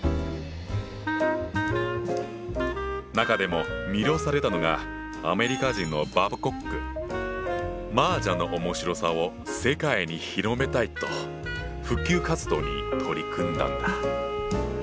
中でも魅了されたのがアメリカ人の麻雀の面白さを世界に広めたいと普及活動に取り組んだんだ。